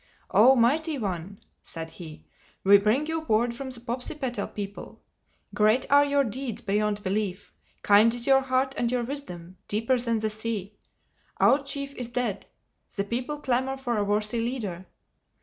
"Oh, Mighty One," said he, "we bring you word from the Popsipetel people. Great are your deeds beyond belief, kind is your heart and your wisdom, deeper than the sea. Our chief is dead. The people clamor for a worthy leader.